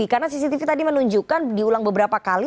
karena cctv tadi menunjukkan diulang beberapa kali